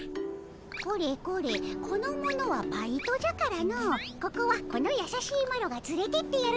これこれこの者はバイトじゃからのここはこのやさしいマロがつれてってやるでおじゃる。